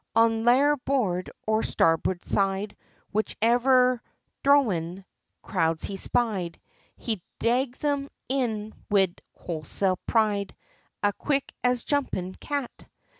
On larboard, or on starboard side, whatever dhrownin' Crowds he spied, he dhragged them in wid wholesale pride, As quick as jumpin' cat!